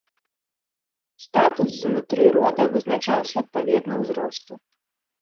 Статус знутры рода вызначаўся адпаведна ўзросту.